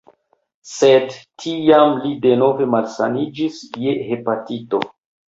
Sed tiam li denove malsaniĝis je hepatito.